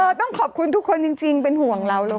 เออต้องขอบคุณทุกคนจริงเป็นห่วงเราแล้ว